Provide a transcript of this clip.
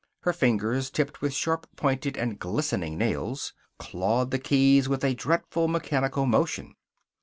Her fingers, tipped with sharp pointed and glistening nails, clawed the keys with a dreadful mechanical motion.